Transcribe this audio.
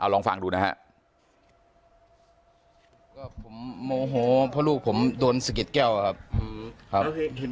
ลองฟังดูนะครับ